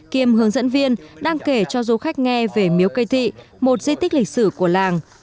kiêm hướng dẫn viên đang kể cho du khách nghe về miếu cây thị một di tích lịch sử của làng